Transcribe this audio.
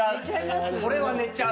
これは寝ちゃう。